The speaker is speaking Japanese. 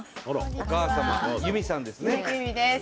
お母様由美さんですね。